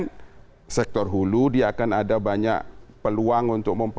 dihilir pun ada antara bbm non subsidi yang mereka jual dengan harga lebih tinggi dari ekonominya